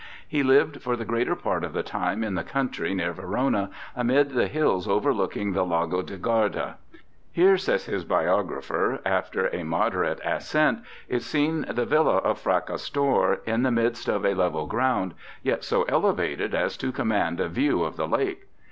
He lived for the greater part of the time in the country near Verona, amid the hills overlooking the Lago di Garda. FRACASTORIUS 281 ' Here,' says his biographer, 'after a moderate ascent, is seen the Villa of Fracastor in the midst of a level ground, yet so elevated as to command a view of the lake.